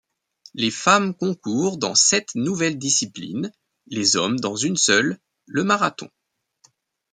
Les femmes concourent dans sept nouvelles disciplines, les hommes dans une seule, le marathon.